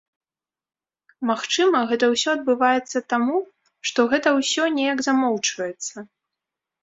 Магчыма, гэта ўсё адбываецца таму, што гэта ўсё неяк замоўчваецца.